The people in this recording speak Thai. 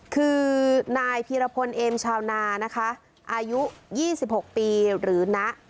คือนายพีรพลเอมชาวนานะคะอายุ๒๖ปีหรือนะ